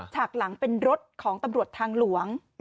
ฉากหลังเป็นรถของตำรวจทางหลวง